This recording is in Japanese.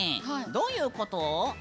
どういうこと？